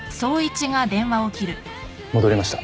戻りました。